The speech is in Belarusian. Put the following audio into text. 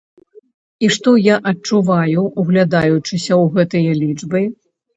І што я адчуваю, углядаючыся ў гэтыя лічбы?